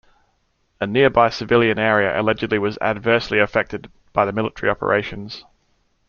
A nearby civilian area allegedly was adversely affected by the military operations.